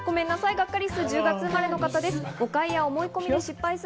ガッカりすは１０月生まれの方です。